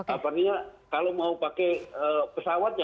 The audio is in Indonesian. apalagi kalau mau pakai pesawat ya